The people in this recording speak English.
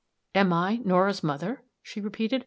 "Am I Norah's mother?" she repeated.